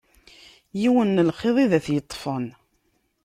Yiwen n lxiḍ i d ad t -yeṭṭfen.